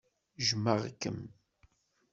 Jmeɣ-kem.